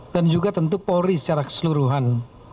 dan juga tentu polri secara keseluruhan